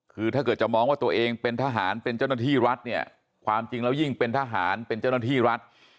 คือถ้าเกิดจะมองว่าตัวเองเป็นทหารเป็นเจ้าหน้าที่รัฐเนี่ยความจริงแล้วยิ่งเป็นทหารเป็นเจ้าหน้าที่รัฐ